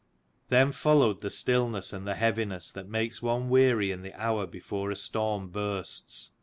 Then followed the stillness and the heaviness that makes one weary in the hour before a storm bursts.